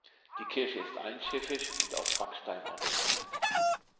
Die Kirche ist einschiffig und aus Backstein errichtet.